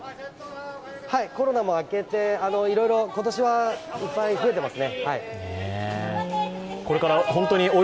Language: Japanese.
コロナも明けて、いろいろ今年はいっぱい増えてますね。